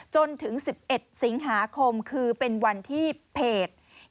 จนถึง๑๑สิงหาคมคือเป็นวันที่เพจ